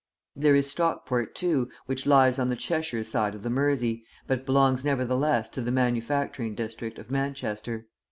There is Stockport, too, which lies on the Cheshire side of the Mersey, but belongs nevertheless to the manufacturing district of Manchester.